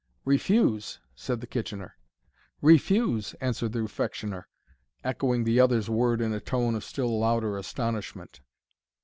"Refuse!" said the Kitchener. "Refuse!" answered the Refectioner, echoing the other's word in a tone of still louder astonishment.